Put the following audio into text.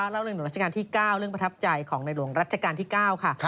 เล่าเรื่องหนุ่มรัชกาลที่๙เรื่องประทับใจของในหลวงรัชกาลที่๙ค่ะ